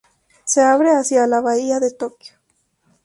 Se abre hacia la Bahía de Tokio.